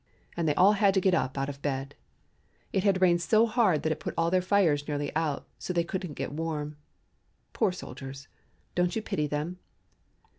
And they all had to get up out of bed. It had rained so hard that it put all their fires nearly out so they couldn't get warm. Poor soldiers, don't you pity them?